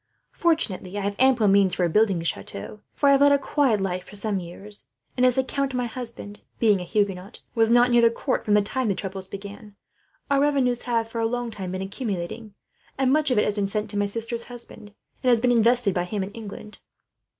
Fortunately I have ample means for rebuilding the chateau, for I have led a quiet life for some years; and as the count my husband, being a Huguenot, was not near the court from the time the troubles began, our revenues have for a long time been accumulating; and much of it has been sent to my sister's husband, and has been invested by him in England.